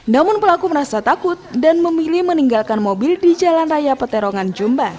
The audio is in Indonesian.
namun pelaku merasa takut dan memilih meninggalkan mobil di jalan raya peterongan jombang